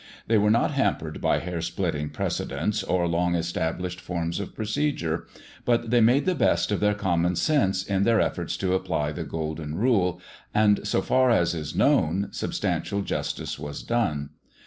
They were not hampered by hair splitting precedents or long established forms of procedure; but they made the best use of their common sense in their efforts to apply the Golden Rule, and so far as is known, substantial justice was done.